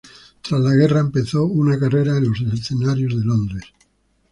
Tras la guerra, empezó una carrera en los escenarios de Londres.